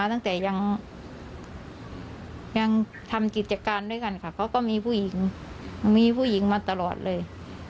ตั้งแต่ยายังทำกิจกรรมด้วยกันคะเค้าก็มีผู้หญิงมาตลอดเลย